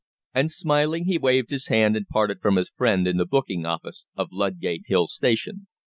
And, smiling, he waved his hand and parted from his friend in the booking office of Ludgate Hill Station.